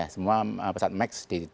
semua pesawat max di cek